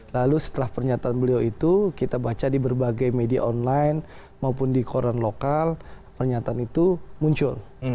lalu setelah pernyataan beliau itu kita baca di berbagai media online maupun di koran lokal pernyataan itu muncul